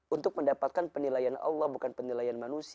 untuk mendapatkan penilaian allah bukan penilaian manusia